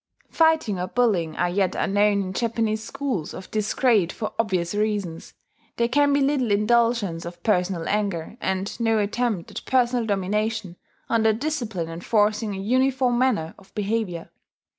Fighting or bullying are yet unknown in Japanese schools of this grade for obvious reasons: there can be little indulgence of personal anger, and no attempt at personal domination, under a discipline enforcing a uniform manner of behaviour.